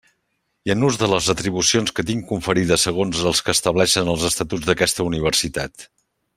I en ús de les atribucions que tinc conferides segons els que estableixen els Estatus d'aquesta Universitat.